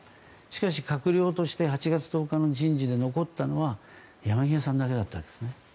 しかし閣僚として８月１０日に残ったのは山際さんだけだったんですね。